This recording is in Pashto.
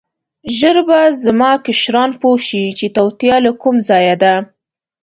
ژر به زما کشران پوه شي چې توطیه له کوم ځایه ده.